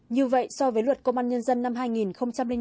như vậy so với luật công an nhân dân